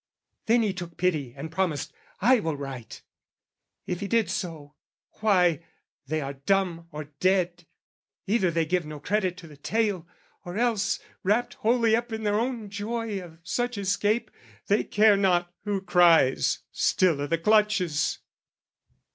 "Then he took pity and promised 'I will write.' "If he did so, why, they are dumb or dead: "Either they give no credit to the tale, "Or else, wrapped wholly up in their own joy "Of such escape, they care not who cries, still "I' the clutches.